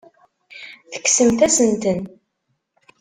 Tekksemt-asen-ten.